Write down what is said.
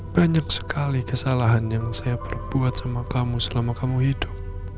banyak sekali kesalahan yang saya perbuat sama kamu selama kamu hidup